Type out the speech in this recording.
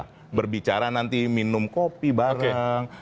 kita berbicara nanti minum kopi bareng